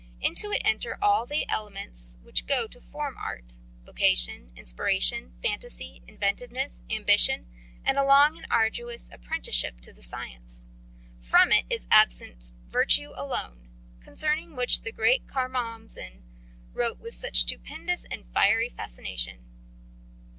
Into it enter all the elements which go to form art vocation, inspiration, fantasy, inventiveness, ambition, and a long and arduous apprenticeship to the science. From it is absent virtue alone, concerning which the great Karamzin wrote with such stupendous and fiery fascination.